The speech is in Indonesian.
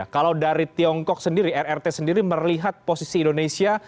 kalau dari tiongkok sendiri rrt sendiri melihat posisi indonesia